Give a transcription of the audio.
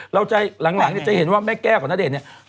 เราจะหลังเนี่ยจะเห็นว่าแม่แก้วกับณเดชน์เนี่ย